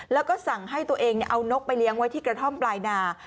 แล้วก็สั่งให้ตัวเองเอานกไปเลี้ยงไว้ที่กระท่อมปลายนา